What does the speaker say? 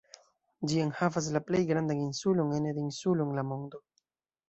Ĝi enhavas la plej grandan insulon ene de insulo en la mondo.